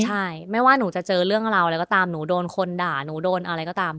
ใช่ไม่ว่าหนูจะเจอเรื่องราวอะไรก็ตามหนูโดนคนด่าหนูโดนอะไรก็ตาม